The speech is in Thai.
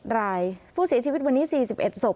รายผู้เสียชีวิตวันนี้๔๑ศพ